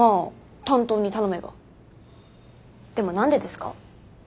でもなんでですか？